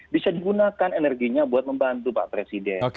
bisa digunakan energinya buat membantu pak presiden